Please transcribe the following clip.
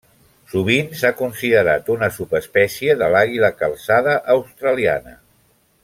Sovint s'ha considerat una subespècie de l'Àguila calçada australiana.